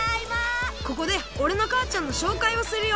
ここでおれのかあちゃんのしょうかいをするよ。